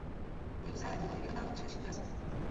Jeho zralé dílo je věnováno především Praze.